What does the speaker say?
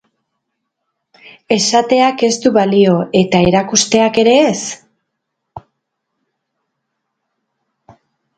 Esateak ez du balio eta erakusteak ere ez?